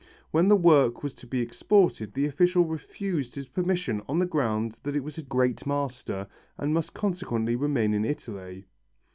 When the work was to be exported the official refused his permission on the ground that it was by a great master and must consequently remain in Italy.